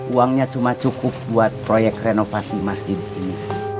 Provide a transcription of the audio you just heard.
uangnya cuma cukup buat proyek renovasi masjid ini